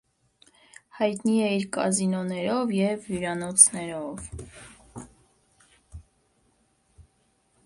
Հայտնի է իր կազինոներով և հյուրանոցներով։